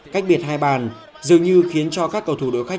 cách biệt hai bàn dường như khiến cho các cầu thủ đội khách